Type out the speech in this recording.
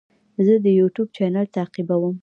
زه د یوټیوب چینل تعقیبوم.